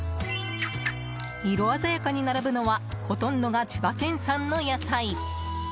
色鮮やかに並ぶのはほとんどが千葉県産の野菜。